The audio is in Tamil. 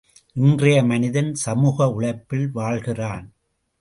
இன்றைய மனிதன் சமூக உழைப்பில் வாழ்கிறான்.